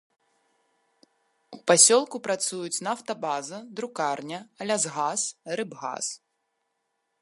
У пасёлку працуюць нафтабаза, друкарня, лясгас, рыбгас.